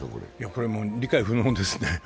これ、もう理解不能ですね。